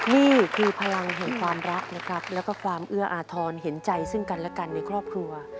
นี่คือพลังแห่งความรักนะครับแล้วก็ความเอื้ออาทรเห็นใจซึ่งกันและกันในครอบครัว